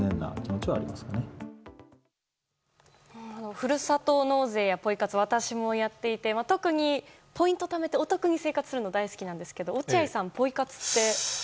ふるさと納税やポイ活は私もやっていて特にポイントをためてお得に生活するのが大好きなんですけど落合さん、ポイ活って？